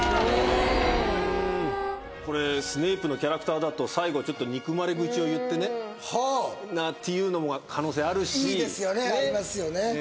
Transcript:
これスネイプのキャラクターだと最後ちょっと憎まれ口を言ってねはあっていうのも可能性あるしいいですよねありますよね